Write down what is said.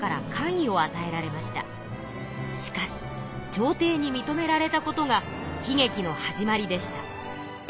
しかし朝廷にみとめられたことが悲げきの始まりでした。